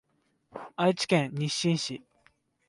愛知県日進市